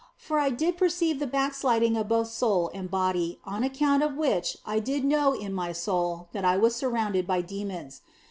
For I did per ceive the backsliding of both soul and body, on account of which I did know in my soul that I was surrounded by demons.